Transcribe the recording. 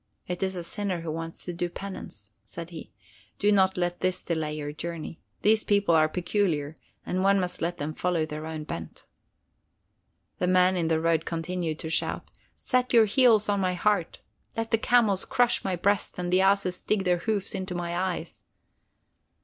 "It is a sinner who wants to do penance," said he. "Do not let this delay your journey. These people are peculiar and one must let them follow their own bent." The man in the road continued to shout: "Set your heels on my heart! Let the camels crush my breast and the asses dig their hoofs into my eyes!"